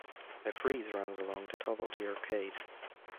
A frieze runs along the top of the arcade.